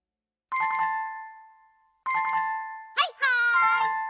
はいはい！